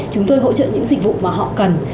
chúng tôi hỗ trợ những dịch vụ mà họ cần